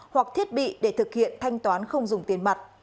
hoặc thiết bị để thực hiện thanh toán không dùng tiền mặt